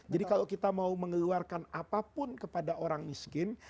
jadi kalau kita mau mengeluarkan apapun kepada orang miskin